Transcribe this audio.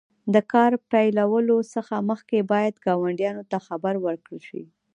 د کار پیلولو څخه مخکې باید ګاونډیانو ته خبر ورکړل شي.